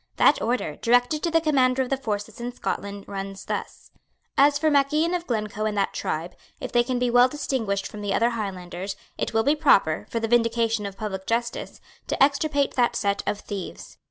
That order, directed to the Commander of the Forces in Scotland, runs thus: "As for Mac Ian of Glencoe and that tribe, if they can be well distinguished from the other Highlanders, it will be proper, for the vindication of public justice, to extirpate that set of thieves."